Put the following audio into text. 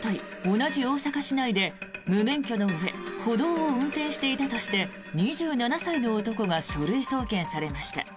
同じ大阪市内で、無免許のうえ歩道を運転していたとして２７歳の男が書類送検されました。